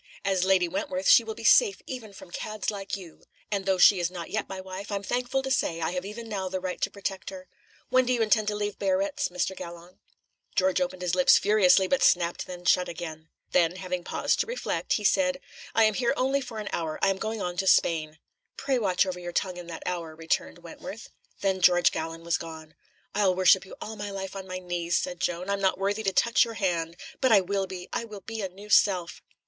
As Lady Wentworth she will be safe even from cads like you; and though she is not yet my wife, I'm thankful to say I have even now the right to protect her. When do you intend to leave Biarritz, Mr. Gallon?" [Illustration: "'When do you intend to leave Biarritz?'"] George opened his lips furiously, but snapped them shut again. Then, having paused to reflect, he said: "I am here only for an hour. I'm going on to Spain." "Pray watch over your tongue in that hour," returned Wentworth. Then George Gallon was gone. "I'll worship you all my life on my knees," said Joan. "I'm not worthy to touch your hand. But I will be. I will be a new self."